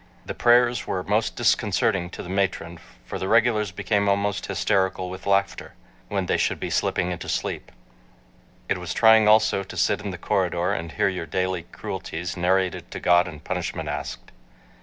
The prayers were most disconcerting to the matron for the "regulars" became almost hysterical with laughter, when they should be slipping into sleep. It was trying also to sit in the corridor and hear your daily cruelties narrated to God and punishment asked.